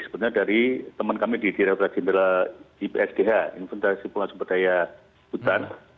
sebetulnya dari teman kami di direktur jenderal ipsdh inventaris punggung sumberdaya hutan